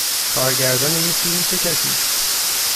کارگردان این فیلم چه کسی است؟